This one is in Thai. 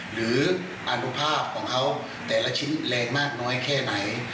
หรืออนุภาพของเขาแต่ละชิ้นแรงมากน้อยแค่ไหน